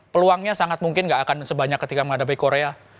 peluangnya sangat mungkin gak akan sebanyak ketika menghadapi korea